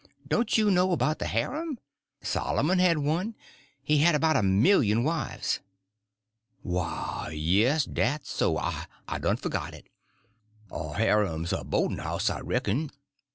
Don't you know about the harem? Solomon had one; he had about a million wives." "Why, yes, dat's so; I—I'd done forgot it. A harem's a bo'd'n house, I reck'n.